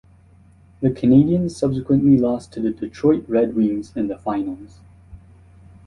The Canadiens subsequently lost to the Detroit Red Wings in the finals.